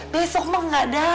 besok mah gak ada